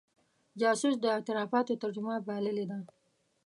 جاسوس د اعترافاتو ترجمه بللې ده.